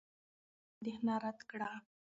ناسا دا اندېښنه رد کړه.